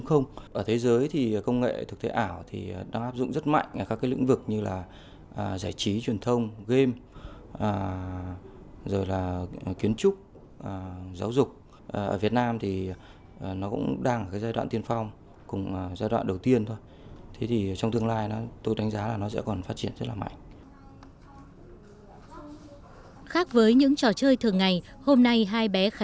ở thế giới thì công nghệ thực tế ảo đã áp dụng rất mạnh ở các lĩnh vực như giải trí truyền thông game